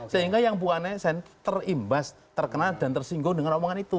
sehingga yang buah asn terimbas terkenal dan tersinggung dengan omongan itu